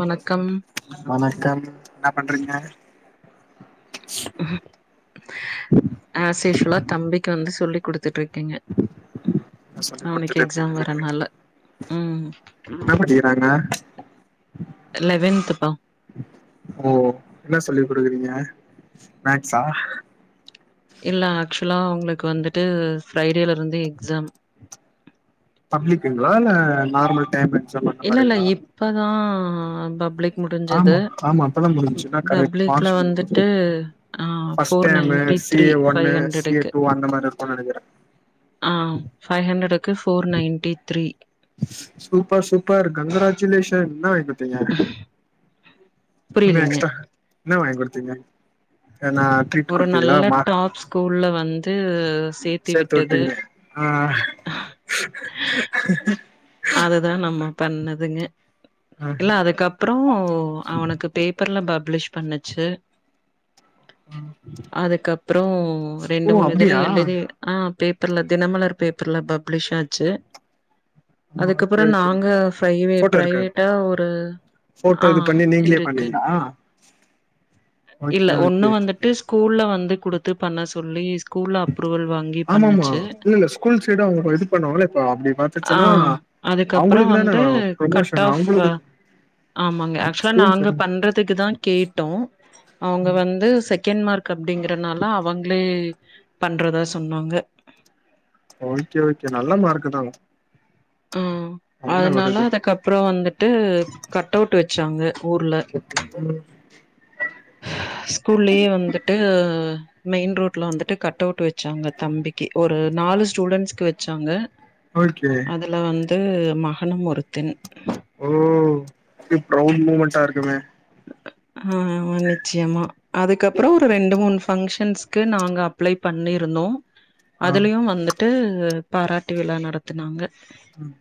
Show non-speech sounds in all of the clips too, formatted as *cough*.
வணக்கம் வணக்கம் என்ன பண்றீங்க ஆஸ்யூஸ்வலா தம்பிக்கு வந்து சொல்லி குடுத்துட்ருக் கெங்க என்ன சொல்லி அவனுக்கு குடுத்துட்டு எக்ஸாம் இருக்கீங்க வரனால ம் என்ன படிக்கிறாங்க லெவன்த்து பா ஓ என்ன சொல்லி குடுக்குறீங்க மேக்ஸா இல்ல ஆக்சுலா அவுங்களுக்கு வந்துட்டு ஃப்ரைடேல இருந்து எக்ஸாம் பப்ளிக்குங்ளா இல்ல நார்மல் டைமன் இல்ல இல்ல இப்பதா பப்ளிக் முடிஞ்சது ஆமா ஆமா அப்பதா ம் முடிஞ்சுன்னா கரெக்ட் பப்ளிக்ல மார்ச் முடிஞ்சு வந்துட்டு அ first four time ninety C A ஒன்னு சி ஏ டூ அந்த மாரி இருக்குன் நெனைக்கிறே ஆ ஃபைவ் ஹண்ட்ரடுக்கு four ninety three super super congratulation என்ன வாங்கி குடுத்தீங்க இன்னு புரியலீங்க எக்ஸ்டா என்ன வாங்கி குடுத்தீங்க ஏன்னாத் ஒரு நல்ல டாப் ஸ்கூல்ல வந்து சேத்தி சேத்து விட்டது விட்டீங்க ஆ அததா நம்ம பண்ணதுங்க ஆ இல்ல அதுக்கப்புறோ அவனுக்கு பேப்பர்ல பப்ளிஷ் பண்ணுச்சு அதுக்கப்புறோ ரெண்டு ஓ மூணு இதுல அப்டியா எழுதி அ பேப்பர்ல தினமலர் பேப்பர்ல பப்ளிஷ் ஆச்சு ஆ ஓகே அதுக்கப்புறோ ஓகே நாங்க ஃப்ரைவே போட்டோ இருக்கா ப்ரைவேட்டா ஒரு போட்டோ ஆ இது பண்ணி நீங்களே இருக்குன் பண்ணீங்களா ஓகே இல்ல ஒண்ணு ஓகே வந்துட்டுஸ் ஸ்கூல்ல வந்து குடுத்து பண்ண சொல்லி ஸ் கூல்ல அப்ரூவல் வாங்கி ஆமா ஆமா பண்ணுச்சு இல்ல இல்ல ஸ்கூல் சைடு அவங்க இது பண்ணுவாங்கள இப்ப அப்படி ஆ பாத்துச்சன்னா அதுக்கப்புறோ அவங்களுக்கு தான வந்து கட் ப்ரமோஷன் ஆஃப் அ அவங்களுக்கு ஆமாங்க ஆக்சுலா ஸ்கூல் நாங்க சைடு பண் ண்றதுக்கு தா கேட்டோ அவுங்க வந்து செகண்ட் மார்க் கப்டிங்றனால அவங்களே பண்றதா சொன்னாங்க ஓகே ஓகே நல்ல மார்க்கு தா ஆ அதனால அதுக்கப்புறோ வந்துட்டு கட் அவுட் வச்சாங்க ஊர்ல ம் ஸ்கூல்லயே வந்துட்டு மெயின் ரோட்ல வந்துட்டு கட் அவுட் வச்சாங்க தம்பிக்கி ஒரு நாலு ஸ்டூடெண்ட்ஸ்கு வெச்சாங்க ஓகே அதுல வந்து மகனும் ஒருத்தென் ஓ இத் ப்ரௌட் மூமெண்டா இருக்குமே அ அ நிச்யமா அதுக்கப்புறோ ஒரு ரெண்டு மூணு ஃபங்க்ஷன்ஸ்கு நாங்க அப்ளை பண்ணிருந்தோ ஆ அதுலயு வந்துட் ட்டு பாராட்டு விழா நடத் துனாங்க ம்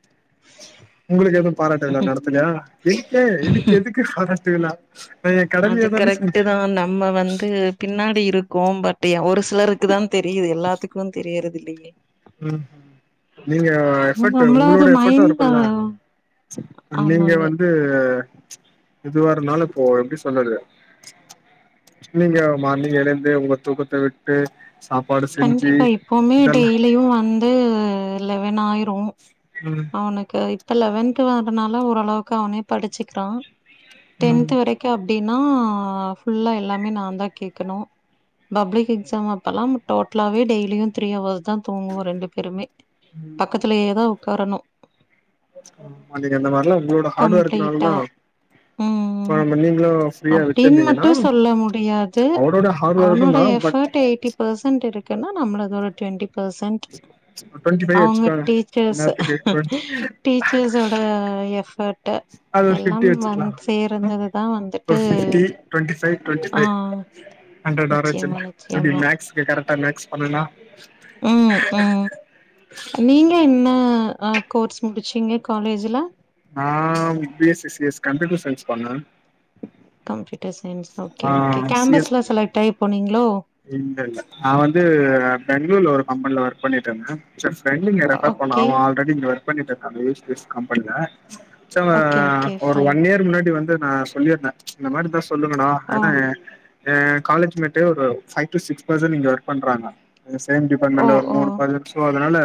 உங்களுக்கு எதுவு பாராட்டு விழா நடத்துலயா எதுக்கு எனக் எதுக் கு பாராட்டு விழா நான் என் அது கடமைய தான கரெக்ட்டு செஞ்சே தா நம்ம வந்து பின்னாடி இருக்கு பட் ஒரு சிலருக்கு தா தெரியுது எல்லாத்துக்கு தெரியறது இல்லையே ம் ம் நீங்க எஃப்பர்ட் நம்மளா அது உங்களோட எஃப்பர்ட்டு மைண்ட் இருக்குல்ல நீங்க ஆமாங்க வந் து எதுவா இருந்தாலு இப்போ எப்டி சொல்றது நீங்க மார்னிங் எழுந்து ஒங்கதூக்கத்த விட் கண்டிப்பா இப்பவுமே இதெல்லா டெய்லியு வந்து லெவன் ஆயிரு ம் அவனக்கு இப்ப லவன்த்ன்றதுனாலா ஓரளவுக்கு அவனே படிச்சிக்கிறா ம் டென்த் வரை கியு அப்டின்னா ஃபுல்லா எல்லாமே நா தா கேட்கணு பப்ளிக் எக்ஸாம் அப்பெல்லா டோட்டலாவே டெய்லியு த்ரீஹவர்ஸ் தா தூங்குவோ ரெண்டு பேருமே பக்கத்துலேயேதா உக்காரணு ம் அன்னைக்கி அந்த மாரில்லா உங்களோட ஹார்ட் கம்ப்ளீட்டா ஒர்க்னாலதா ஆ ம் அந்த நீங்களு ஃப்ரீயா விட்டு அப்டின்னு இருந்தீங்கன்னா மட்டு சொல்ல அவரோட ஹார்ட்டு ஒர்க்கும்தா ஃபோர்ட்ட எயிட்டி பெர்சன்ட் இருக்குன்னா நம்ளுது ஒரு டுவெண்டி பெர்சன்ட் டுவெண்ட்டி ஃபைவ் அவங்க வச்சுக்கோங்க டீச்சர்ஸ்ஸு இந்நேரத்துக்கு டுவெண்ட்டி டீச்சர்ஸோட எஃபர்ட்டு அது ஒரு ஃபிப்டி வெச்சுக்கலா ம் ஒரு வந்துட்டு ஃபிப்டி ட்வென்ட்டி ஃபைவ் ட்வென்ட்டி ஆ ஃபைவ் ஹன்ட்றடு நிச்சயமா வரவெச்சர்லா எப்டி நிச்சயமா மேக்ஸ்க்கு கரெக்டா மேட்ச் பண்ணனா ம் ம் நீங்க என்ன அ கோர்ஸ் முடிச்சீங்க காலேஜ்ல நா B S C C S computer science பண்ண கம்ப்யூட்டர் சயின்ஸ் ஓகே ஆ ஓகே கேம்பஸ்ல செலக்ட்டாயி போனீங்களோ இல்லல்ல நா வந்து பெங்களூர்ல ஒரு கம்பெனில ஒர்க் பண்ணிட்டுருந்தே சேர் ஃப்ரெண்ட்ங்க ரெஃபர் பண்ணா ஓகே அவ ஆல்ரடி இங்க ஒர்க் பண்ணிட்டுருக்கா யு ஏ எஸ் பேஸ் கம்பெனில ச்சுலா ஓகே, ஓகே. ஒரு ஃபைன். ஒன் இயர் முன்னாடி வந்து நா சொல்லியிருந்தே இந்த மாரி இருந்தா சொ சொல்லுங்கனா ஓ, ஏனா ஏ காலேஜ் மேட்டு ஒரு ஃபைவ் டு சிக்ஸ் பர்சன் இங்க ஒர்க் பண்றாங்க எ சேம் ஓ, டிபார்ட்மெண்ட்ல ஒரு ஓ. மூணு பர்சோ அதனால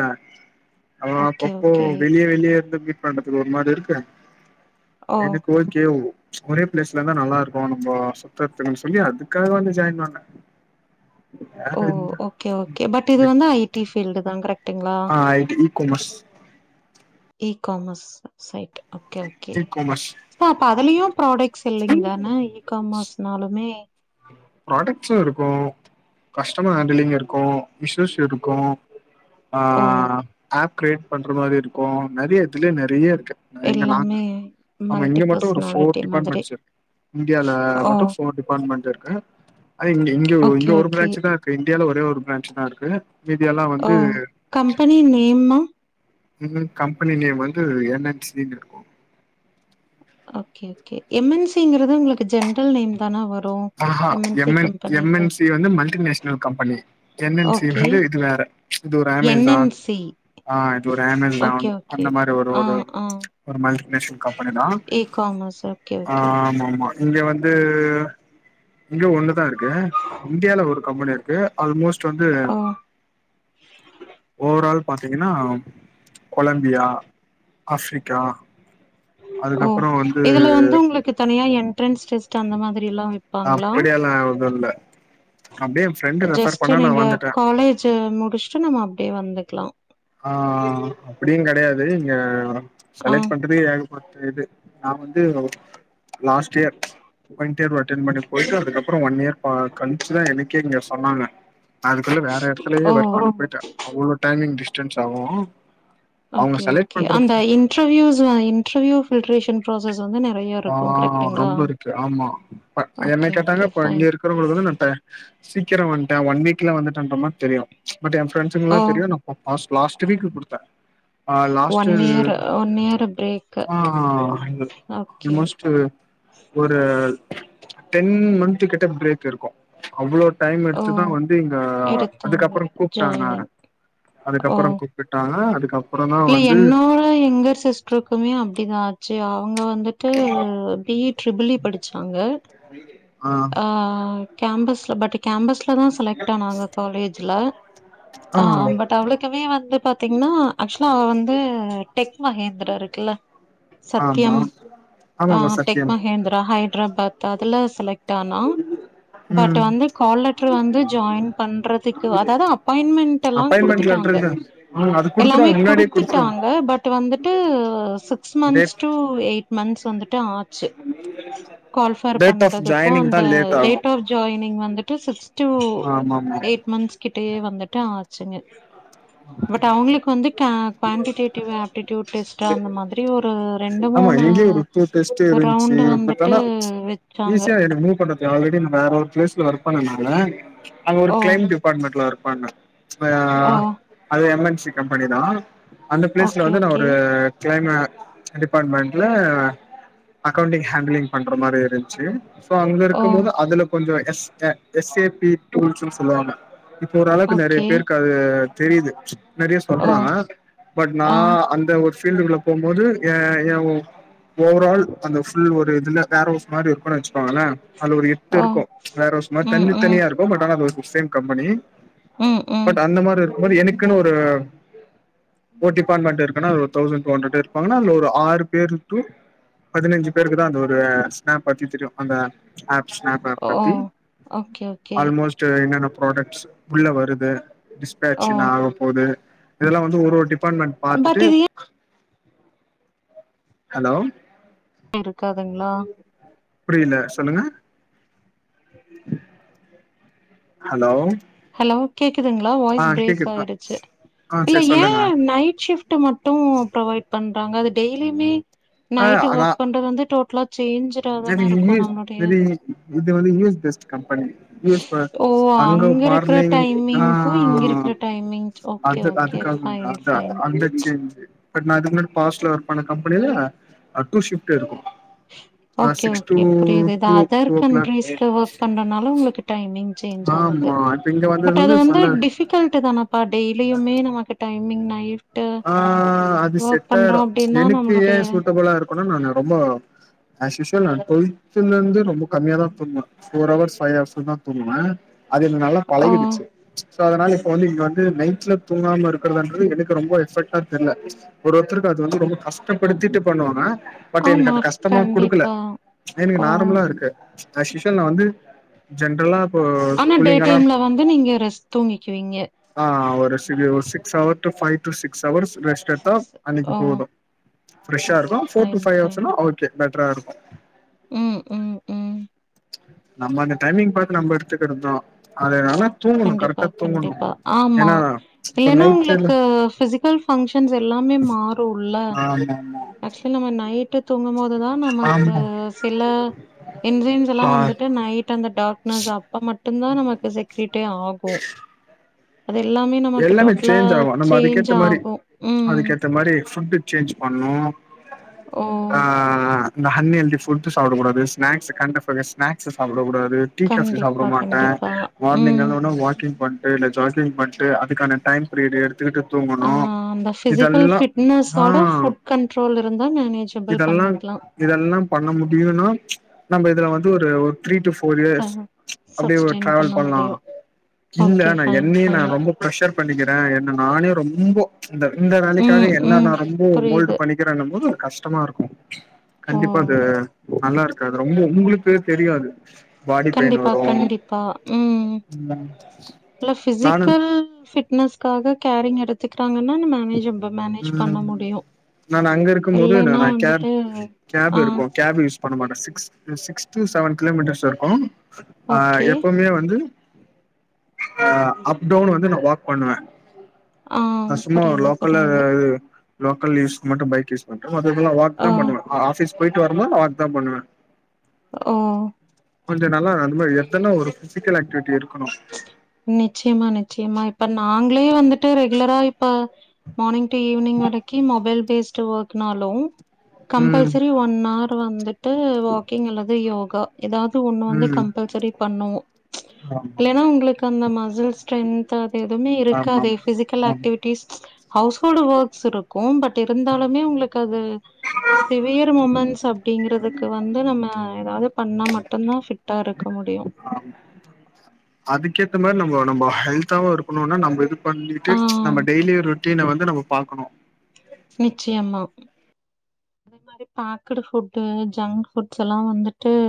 அவ ஓகே, அப்பப்போ ஓகே. வெளியே வெளியே இருந்து மீட் பண்றதுக்கு ஒரு மாரி இருக்கு ஓ, எனக் ஓகேவ் ஒரே பிளேஸ்ல இருந்தா நல்லா இருக்கு நம்போ சுத்தறத்துக்கு சொல்லி அதுக்காக வந்து ஜாயின் பண்ண வேற ஓ. என்ன ஓகே ஓகே பட் இது வந்து ஐ டி ஃபீல்டு தா கரெக்ட் நா I T ecommerce ecommerce side okay okay ecommerce அப்ப அதுலயு புராடெக்ட் செல்லிங் தான இ காமர்ஸ்னாலுமே புராடெக்ட்கசு இருக்கு கஸ்டமர் ஹேண்டலிங் இருக்கு இஷ்யூஸ் இருக்கு ஆ ஓ, ஆப் கிரியேட் பண்ற மாரி இருக்கு நெறய இதுலயே நெறய இருக்கு இங்க நாங் எல்லாமே ஆமா மல்டி இங்க மட்டு ஒரு பர்சனாலிட்டி ஃபோர் மாதிரி. டிபார்ட்மெண்ட்ஸ் இருக்கு இந்தியால ஓ, மட்டு ஃபோர் டிபார்ட்மெண்ட் இருக்கு அதே இங்க இங்க ஓகே, இங்க ஒரு ஓகே. பிரான்ச்சு தா இருக்கு இந்டியால ஒரே ஒரு பிரான்ச்சு தா இருக்கு மீதியெல்லா ஓ, வந்து கம்பெனி நேமா? ம்ஹூம் கம்பெனி நேம் வந்து என் என் சி ன்னு இருக்கு okay okay M N C ங்கிறது உங்களுக்கு ஜென்ரல் நேம் தான வரு ஆஹா M N M N C வந்து multinational company N N C வந்து இது வேற இது ஒரு என் அமேசான் என் சி ஆ இது ஒரு ஆமேசான் அந்த மாரி ஒரு ஆ ஒரு ஆ ஒரு மல்டிநேஷனல் கம்பெனி தா இ காமர்ஸ் ஓகே ஆ ஓகே ஆமாமா இங்க வந்து இங்க ஒண்ணுதா இருக்கு இந்தியால ஒரு கம்பெனி இருக்கு ஆல்மோஸ்ட் வந்து ஓ ஓவரால் பாத்தீங்கன்னா கொலம்பியா ஆப்ரிக்கா ஓ அதுக்கப்புறோ வந்து இதுல வந்து உங்களுக்கு தனியா என்டரன்ஸ் டெஸ்ட் அந்த மாதிரில்லா வெப்பாங்களா அப்படியெல்லா எது இல்ல அப்டியே என் ஃப்ரெண்டு ரெஃபர் ஜஸ்ட் பண்ணா நா நீங்க வந்துட்டே காலே ஜ்சு முடிச்சுட்டு நம்ம அப்டியே வந்துக்கலா ஆ அப்டியு கெடயாது இங்க ஆ செலக்ட் பண் அப்டியு ஏகப்பட்ட இது நா வந்து லாஸ்ட் இயர் இன்டர்வியூ அட்டன் பண்ணி போயிட்டு அதுக்கப்றோ ஒன் இயர் கழிச்சுதா எனக்கே இங்க சொன்னாங்க அதுக்குள்ள வேற எடத்துலயே ஓ ஒர்க் பண்ண போயிட்டு அவ்ளோ டைமிங் டிஸ்டன்ஸ் ஆகு அவங்க ஓகே செலக்ட் ஓகே அந்த பண்றதுக்கு இன்டர்வியூஸ் இன்டர்வியூ ஃபில்டரேஷன் புராசஸ் வந்து நெறைய ஆ இருக்கு கரெக்ட்டுங்களா ரொம்ப இருக்கு ஆமா என்ன ஓகே கேட்டாங்க ஓகே அப்ப இங்க ஃபைன் இருக் இக்கிறவங்களுக்கு வந்து சீக்கிரோ வன்ட்ட ஒன் வீக்ல வந்துட்டுன்ற மாரி தெரியு பட் ஏ பிரிண்ட்ஸ்க்கு ஓ எல்லா தெரியு நா லாஸ்ட் வீக் குடுத்தே ஆ last one year one year break ஆ *unintelligible* ஓகே இது ஒரு டென் மாந்து கிட்ட பிரேக் இருக்கு அவ்ளோ டைம் ஓ எடுத்துதா வந்து இங்க எடுத்தாங்க அதுக்கப்றோ கூப்ட்டாங்க ஜாயினிங் ஓ அதுக்கப்றோ கூப் விட்டாங்க அதுக்கப் இல்ல என்னோட எங்கர் சிஸ்டருக்குமே அப்டிதா ஆச்சு அவங்க வந்துட் டு பி இ டிபிள் இ படிச்சாங்க ஆ கேம்பஸ்ல பட் கேம்பஸ்லதா செலக்ட் ஆனாங்க காலேஜ்ல ஆ பட் அவக்குமே வந்து பாத்தீங்கன்னா ஆக்சுவலா அவ வந்து டெக் மகேந்திரா இருக்குல்ல சத்தியம் ஆமாம்மா சத்தியம் மகேந்திரா ஹைடராபாத் அதுல செலக்ட் ஆனா பட் ம் வந்து கால் லெட்டரு வந்து ஜாயின் பண்றதுக்கு அதாவது அப்பாயின்மெண்ட் எல்லா அப்பாயின்மெண்ட் குடுத்துட்டாங்க லெட்டர் இது ம் அது எல்லாமே குடுத்துருவாங்க முன்னாடியே குடுத்துருவாங்க குடுத்துட்டாங்க பட் வந்துட்டு six months two eight months வந்துட்டு உ கால்ஃபேர் பண்றதுக்கு அந்த லேட் ஆகு டேட் ஆ ஜாயிங் வந்துட்டு சிக்ஸ் டூ ஆமாமா எயிட் மந்தத்ஸ் கிட்டயே வந்துட்டு ஆச்சுங்க பட் அவுங்களுக் குவான்டிடேடிவ் ஆப்டிடூட் டெஸ்ட் அந்த மாதிரி ஒரு ரெண்டு மூணு டெஸ்ட்டு இருந்துச்சு பட் ஆனா வெச்சாங்க. ஈஸியா என மூவ்பண்றது ஆல்ரெடி வேற ஒரு பிளேஸ்ல ஒர்க் பண்ணணால அங்க ஒரு ஓ! கிளைன்ட் அப்பாயிண்ட்மெண்ட்ல ஒர்க பண்ண ஓ! அது எம் என்சி கம்பெனி தா அந்த ப்லேசுல ஓகே, வந்து நா ஓகே. ஒரு கிளைம டிபார்ட்மெண்ட்ல அக்கௌண்டிங் ஹேண்டலிங் பண்ற மாரி இருந்ச்சு சோ அங்க ஓ! இருக்கும் போது அதுல கொஞ்சோ எஸ் ஏ பி டூல்ஸ்ன்னு சொல்லுவாங்க இப்ப ஓரளவுக்கு நறைய ஓகே. பேருக்கு அது தெரிது நறைய ஓ! சொல்றாங்க பட் நா ஆ! அந்த ஒரு ஃபீல்டுக்குள்ள போம்போது ஏ ஏன் ஓவரால் அந்த ஃபுல் ஒரு இதுல வேர்ஹவுஸ் மாரி இருக்கும்ன்னு வச்சுக்கோங்ள அது ஒரு எட்டு ஓ! இருக்கு வேர்ஹவுஸ் மாரி ம், தண்ணி ம். தனியா இருக்கு பட் ஆனா அது சேம் கம்பெனி ம், ம். பட் அந்த மாரி இருக்கும்போது எனக்குன்னு ஒரு ஃபோர் டிபார்மெண்ட் இருக்குன்னா ஒரு தௌசண்ட் டூ ஹண்ட்ரட் இருப்பாங்கா இல்ல ஒரு ஆறு பேரு டூ பதினைஞ்சு பேருக்கு தா அந்த ஒரு ஸ்னாப் பத்தி தெரியு அந்த ஆப் ஸ்னாப்ப ஓ! பத்தி ஓகே, ஓகே. அல்மோஸ்ட் சோ என்னென்ன ப்ராடக்ட்ஸ் உள்ள வருது ஓகே ஓ ஆயிச்சின்னா ஆகப்போகுது இதெல்லா வந்து ஒரு ஒரு டிபார்ட்மெண்டட் பட் பாத்துட்டு இது ஹலோ இருக்காதுங்ளா புரில சொல்லுங்க ஹலோ ஹலோ கேக்குதுங்ளா ஆ வாய்ஸ் பிரேக் கேக்குது ஆயிருச்சு ஆ இல்ல சரி சொல்லுங்க ஏன் நைட் ஷிஃப்ட் டு மட்டு ப்ரொவைட் பண்றாங்க அது டெய்லிமே ஆ நைட் ஆனா ஒர்க் பண்றது வந்து டோட்லா சேஞ்சு இது யூஸ்து இது வந்து U S best company use ஓ அங்க இருக் லிங் ஆ டைமிங் ஓகே அடுத்த ஓகே அதுக்காக ஃபைன் ஃபைன் *inaudible* வந்துருச்சு பட் நா இதுக் முன்னாடி பாஸ்ட்ல ஒர்க் பண்ண கம்பெனியில டூ ஷிப்ட் இருக்கு ஓகே சிக்ஸ் டூ ஓகே புரிது இது two other two o'clock கண்ட்ரீஸ்கு ஒர்க் பண்றனால உங்களுக்கு டைமிங் சேஞ்ச் ஆகுது ஆமா இப்ப இங்க பட் வந்தது அது வந்து ஃபுல்லா டிஃபிகல் ட்டு தான இப்ப டெய்லியுமே நமக்கு டைமிங் நை ஆஅது செட்டாயிடு அப்டின்னா எனக்கு நம்மளுடைய ஏன் சூட்டபிளா இருக்கனு நா ரொம்போ அஸ் யூஷுவல் நா குவைத்துல இருந்து ரொம்ப கம்மியா தா தூங்குவ ஃபோர் ஹவர்ஸ் ஃபைவ் ஹவர்ஸ் தா தூங்குவ அது என்ன நல்லா ஆ பழவிடுச்சு சோ அதனால இப்ப வந்து இங்க வந்து நைட்ல தூங்காம இருக்கிறதுன்றது எனக்கு ரொம்ப டிஃபெட்டா தெர்ல ஒரு ஒருத்தருக்கு அது வந்து ரொம்ப கஷ்டப்படுத்திட்டு பண்ணுவாங்க பட் எனக்கு ஆமா அது கஷ்டமா குடுக்கல கண்டிப்பா எனக்கு ஓ நார்மலா இருக்கு அஸ்யூஷுவல் நா வந்து ஜென்ரலா இப்போ ஆனா டே கூலிங்கல்லா டைம்ல வந்து நீங்க ரெஸ் தூங்கிக்குவீங்க ஆ ஒரு சிரு ஒரு six hour to five to six hours rest எடுத்தா சிக்ஸ் அன்னைக்கு ஓ போது ஃபிரெஸ்ஷா ஓகே இருக்கு four to fine five fine அவர்ஸ்னா ஓகே பெட்டரா இருக்கு ம் ம் ம் நம்ம அந்த டைமிங் பார்த்து நம்ம எடுத்துக்கிறது தா அதனால தூங்கணு கண்டிப்பா கரெக்டா தூங்கணு கண்டிப்பா ஆமா ஏன்னா இப்ப இல்லன்னா நைட்ல உங்ளுக்கு ஃபிசிக் ஃபுல் ஃபங்ஷன்ஸ் எல்லாமே மாறுல்ல ஆமா ஆக்ஷுவல் நம்ம நைட் விட்டு தூங்கும்போதுதான் நமக்கு ஆமா சில என்ஜைம்ஸ் எல்லா ஆ வந்துட்டு நைட் அந்த டாக்னஸ் அப்பா மட் ட்டுன்தா நமக்கு செக்ரிட்டே ஆகும் *inaudible* எல்லாமே சேஞ்ச் ஆகும் நம்ம சேஞ்ச் அதுக்கேத்த மாதிரி ஆகு ம் அதுக்கேத்த மாதிரி ஃபுட்டு சேஞ்ச் பண்ணு ஓ ஆ ஆ இந்த ஹன் எழ்தி ஃபுட்டு் சாப்டக் கூடாது ஸ்நாக்ஸ் கண்ட ஃபக ஸ்நாக்ஸ் சாப்டக் கூடாது டீ காஃபி சாப்ட கண்டிப்பா மாட்டேன் கண்டிப்பா மார்னிங் ம் எழ்ந்தவுட்னே வாக்கிங் பன் எ ந ஜாகிங் பண்ட்டு அதுக்கான டைம் ப்ரீடு் எடுத்துக்கிட்டு ஆ தூங்கணும் அந்த ஃபிசிக்கல் ஃபிட்னஸிட ஃபுட் கண்ட்ரோல் இருந்தா மேனேஜபிள் பண்ணிக்லா இதெல்லாம் பண்ண முடியுன்னா நம்ம இதுல வந்து ஒரு ஒர் த்ரீ டு ஃபோர் ச இயர்ஸ் அப்டே ஒர் சப்ஸ்டெயின் பண்ண டிரராவல் பண்ணலாம் முடியு இல்ல ஓகே நான் ஃபைன் என்னயே ஃபைன் நான் ரொம்ப ப்ரெஷர் பண்ணிக்கிறே என்ன நானே ரொம்போ இந்த இந்த ம் நாலைக்காக என்ன ம் நான் ரொம்போ மோல்டு புரியுது பண்ணி க்கிரண்ணும்போது கஷ்டமா இருக்கும் ஓ கண்டிப்பா அது நல்லார் க்காது ரொம்போ உங்களுக்கு தெரியாது பாடி பெயின் கண்டிப்பா வரு கண்டிப்பா உம் ம் நல்ல நானு ஃபிசிக்கல் ஃபிட் ன்னஸ்காக கேரிங் எடுத்துக்குறாங்கன்னா நம்ம மேஜிப்பு மேனேஜ் பண்ண ம் முடியு நான் அங்க இருக்கும் போது இல்லைன்னா நா கேப் வந்துட்டு கேப் ஆ இருக்கு கேப் யூஸ் பண்ண மாட்டே சிக்ஸ் எ சிக்ஸ்த்து சவன் கிலோமீட்டர்ஸ் இருக்கு ஆ ஓகே எப்பவுமே வந்து அ அப்டவுன் வந்து நான் வாக் பண்ணுவேன் ஆங் சும்மா லோக்கல்ல வே *unintelligible* லோக்கல் யூஸ்க்கு மட்டு பைக் யூஸ் பண்ட்டு மத்ததெல்லா வாத் தா பண்ணுவேன் ஆ ஆஃபீஸ் போய்ட்டு வரும்போத் நான் வாக் தான் பண்ணுவே ஓ கொஞ்ச நல்லா அந்த மாதிரி எத்தெல்லாம் ஒரு பிசிக்கல் ஆக்டிவிட்டி இருக்கணு நிச்சயமா நிச்சயமா இப்ப நாங்களே வந்துட்டு ரெகுலரா இப்ப மார்னிங் டி ஈவ்னிங் வரக்கி மொபைல் பேஸ்ட்டு வக்னாலு ம் கம்பல்சரி வன் ஆர் ப வந்துட்டு வாக்கிங் அல்லது யோகா ஏதாவது ஒண்ணு வந்து ம் கம்பல்சரி பண்ணோ ஆமா இல்லேன்னா உங்ளுக் அந்த மசில் ஸ்ட்ரென்த்து அது எதுமே ஆமா ஆமா இருக்காதே ஃபிசிக்கல் ஆமா ஆக்டிவிட்டிஸ் ஹவுஸ் ஹோல்டு வக்ஸ் இருக்கும் பட் இருந்தாலுமே உங்களுக்கு அது சிவியர் முமென்ஸ் அப்படிங்கறதுக்கு வந்து நம்ம ஏதாவது பண்ணா மட்டுன்தா ஃபிட்டா இருக்க முடியும் அதுக்கேத்த மாரி நம்ம நம்ம ஹெல்தாவா இருக்கணுனா நம்ம இது பண்ணிட்டு ஆ நம்ம டெய்லி ரொட்டின்ன வந்து நம்ம பாக்கணு நிச்சயமா அதே மாரி பாக்குற ஃபுட்டு ஜங்க் ஃபுட்ஸல்லா வந்துட்டு